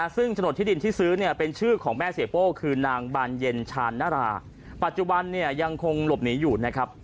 ซึ่งถนนที่ซื้อเป็นชื่อของแม่เซโป้คือนางบานเย็นชานราปัจจุบันยังคงหลบหนีอยู่นะครับ